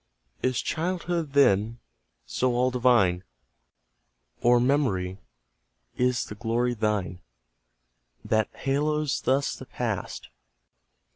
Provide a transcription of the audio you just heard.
Is childhood, then, so all divine? Or Memory, is the glory thine, That haloes thus the past?